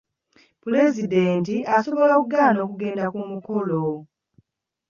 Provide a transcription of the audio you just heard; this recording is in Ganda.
pulezidenti asobola okugaana okugenda ku mukolo.